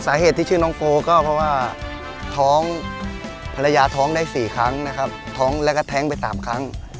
สาเหตุที่ชื่อน้องโฟลก็เพราะว่าพลัยาท้องได้๔ครั้งและแท้งไป๓ครั้ง